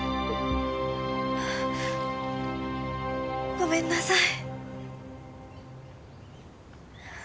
ごめんなさい。